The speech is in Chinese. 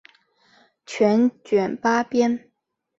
全卷八编。